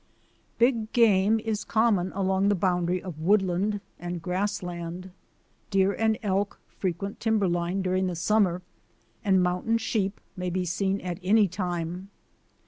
Big game is common along the boundary of woodland and grassland. Deer and elk frequent timberline during the summer, and mountain sheep may be seen at any time.